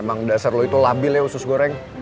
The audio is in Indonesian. emang dasar lo itu labil ya usus goreng